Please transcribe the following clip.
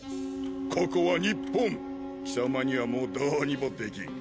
ここは日本貴様にはもうどうにもできん。